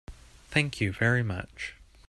Thank you very much.